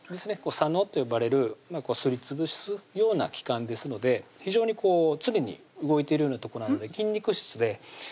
砂嚢と呼ばれるすりつぶすような器官ですので非常に常に動いてるようなとこなんで筋肉質でコリコリしてます